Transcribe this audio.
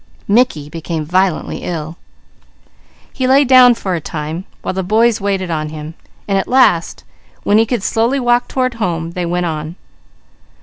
Mickey became violently ill. He lay down for a time, while the boys waited on him, and at last when he could slowly walk toward home, they went on.